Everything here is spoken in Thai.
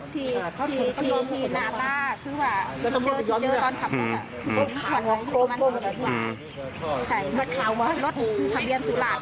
ที่นาตาคือว่าเจอตอนขับแล้วอ่ะอืมอืมใช่รถเขารถทะเบียนสุราคต์